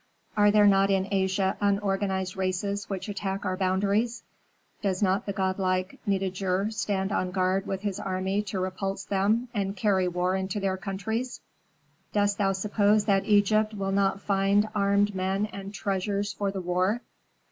"Are there not in Asia unorganized races which attack our boundaries? Does not the godlike Nitager stand on guard with his army to repulse them and carry war into their countries? Dost thou suppose that Egypt will not find armed men and treasures for the war?